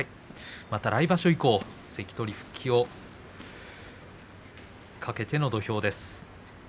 また来場所以降、関取復帰を懸けての土俵です。